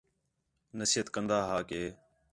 نصیحت کندا ھا کہ